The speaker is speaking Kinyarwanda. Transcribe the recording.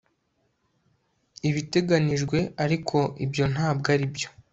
ibiteganijwe ariko ibyo ntabwo aribyo